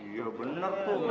iya bener kok